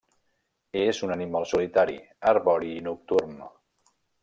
És un animal solitari, arbori i nocturn.